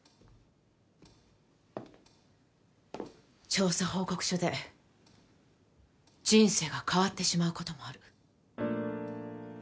調査報告書で人生が変わってしまうこともある。